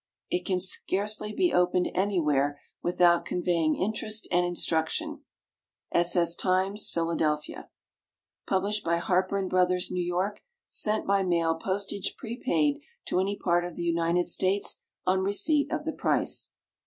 _ It can scarcely be opened anywhere without conveying interest and instruction. S. S. Times, Phila. Published by HARPER & BROTHERS, New York. _Sent by mail, postage prepaid, to any part of the United States, on receipt of the price.